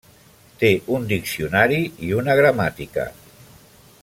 Té un diccionari i una gramàtica.